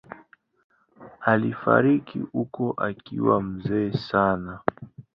Alifariki huko akiwa mzee sana.